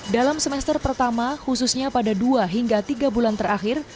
dalam semester pertama khususnya pada dua hingga tiga bulan terakhir